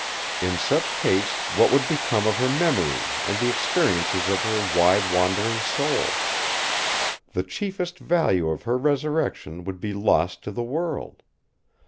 In such case what would become of her memory and the experiences of her wide wandering soul? The chiefest value of her resurrection would be lost to the world!